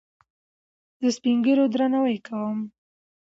زه سپينږيرو درناوی کوم.